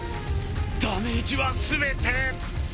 ダメージは全て。